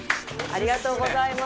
ありがとうございます。